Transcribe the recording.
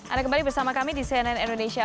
anda kembali bersama kami di cnn indonesia